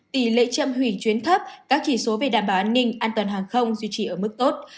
tỷ lệ châm hủy chuyến thấp các chỉ số về đảm bảo an ninh an toàn hàng không duy trì ở mức tốt